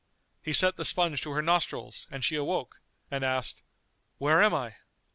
He set the sponge to her nostrils and she awoke and asked, "Where am I?"